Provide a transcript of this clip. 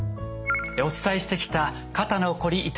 お伝えしてきた肩のこり